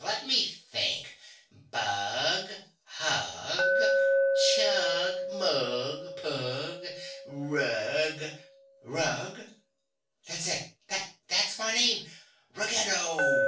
Let me think Bug, hug, chug, mug, pug, rug RUG? That's it, THAT'S my name, Ruggedo!"